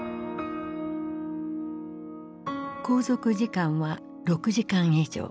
航続時間は６時間以上。